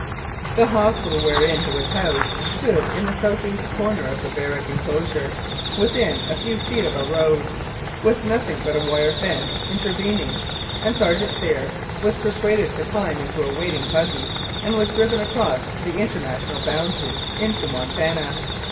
The hospital wherein he was housed stood in the south east corner of the barrack enclosure, within a few feet of a road, with nothing but a wire fence intervening, and Sergeant Phair was per suaded to climb into a waiting buggy and was driven across the international boundary line into Montana.